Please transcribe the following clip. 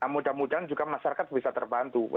mudah mudahan juga masyarakat bisa terbantu